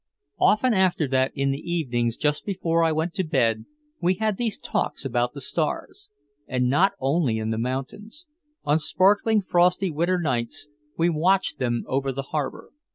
Often after that in the evenings just before I went to bed we had these talks about the stars. And not only in the mountains. On sparkling frosty winter nights we watched them over the harbor.